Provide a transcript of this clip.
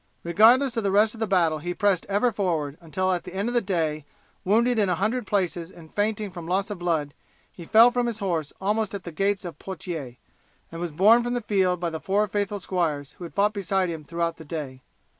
Regardless of the rest of the battle he pressed ever forward, until at the end of the day, wounded in a hundred places and fainting from loss of blood, he fell from his horse almost at the gates of Poitiers, and was borne from the field by the four faithful squires who had fought beside him throughout the day.